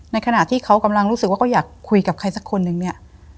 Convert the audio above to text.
ขณะที่เขากำลังรู้สึกว่าเขาอยากคุยกับใครสักคนนึงเนี่ย